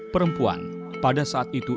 perempuan pada saat itu